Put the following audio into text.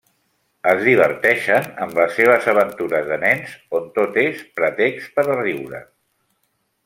Es diverteixen amb les seves aventures de nens, on tot és pretext per a riure.